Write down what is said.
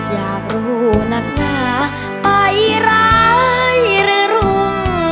อยากรู้นักหนาไปร้ายหรือรุ่ง